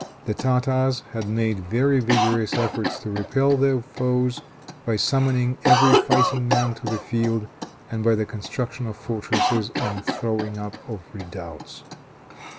The Tartars had made very vigorous efforts to repel their foes, by summoning every fighting man to the field, and by the construction of fortresses and throwing up of redoubts.